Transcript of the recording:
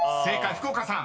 福岡さん］